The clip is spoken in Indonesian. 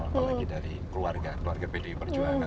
apalagi dari keluarga keluarga pdi perjuangan